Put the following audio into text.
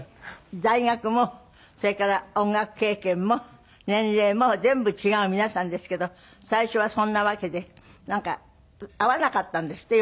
大学もそれから音楽経験も年齢も全部違う皆さんですけど最初はそんなわけでなんか合わなかったんですって？